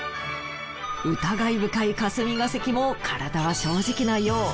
疑い深い霞が関も体は正直なよう。